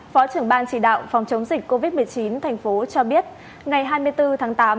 phó trưởng ban chỉ đạo phòng chống dịch covid một mươi chín thành phố cho biết ngày hai mươi bốn tháng tám